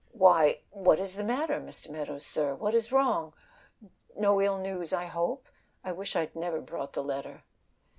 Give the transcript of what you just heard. Why, what is the matter, Mr. Meadows, sir? What is wrong? No ill news, I hope. I wish I'd never brought the letter."